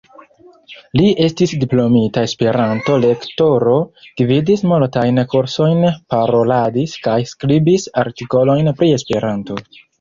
Li estis diplomita Esperanto-lektoro, gvidis multajn kursojn, paroladis kaj skribis artikolojn pri Esperanto.